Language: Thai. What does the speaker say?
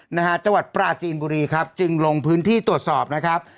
นะฮะจังหวัดปราจีนบุรีครับจึงลงพื้นที่ตรวจสอบนะครับ